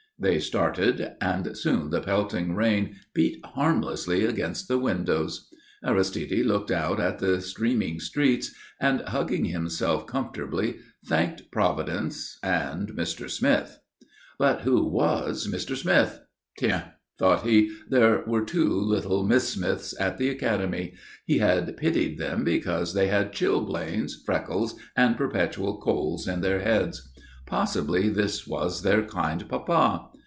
They started, and soon the pelting rain beat harmlessly against the windows. Aristide looked out at the streaming streets, and, hugging himself comfortably, thanked Providence and Mr. Smith. But who was Mr. Smith? Tiens, thought he, there were two little Miss Smiths at the academy; he had pitied them because they had chilblains, freckles, and perpetual colds in their heads; possibly this was their kind papa.